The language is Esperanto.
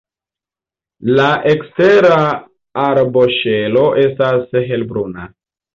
La ekstera arboŝelo estas helbruna.